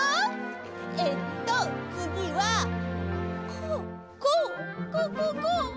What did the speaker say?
えっとつぎはこうこうこうこうこう。